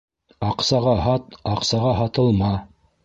Аҡсаға һат, аҡсаға һатылма.